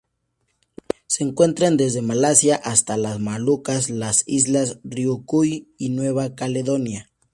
Se encuentran desde Malasia hasta las Molucas, las Islas Ryukyu y Nueva Caledonia.